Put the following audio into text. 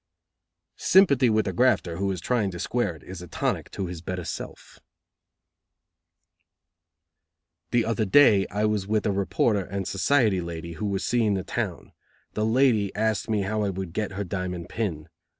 "Sympathy with a grafter who is trying to square it is a tonic to his better self." "The other day I was with a reporter and a society lady who were seeing the town. The lady asked me how I would get her diamond pin.